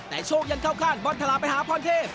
แต่โชคยังเข้าขั้นบอลทะลาไปหาพรเทพ